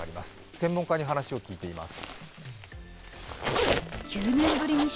専門家に話を聞いています。